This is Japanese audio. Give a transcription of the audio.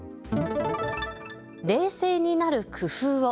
冷静になる工夫を。